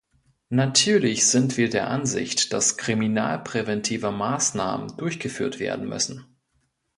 Natürlich sind wir der Ansicht, dass kriminalpräventive Maßnahmen durchgeführt werden müssen.